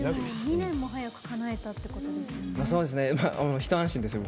２年も早くかなえたってことですね。